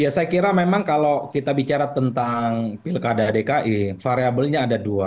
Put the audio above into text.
ya saya kira memang kalau kita bicara tentang pilkada dki variabelnya ada dua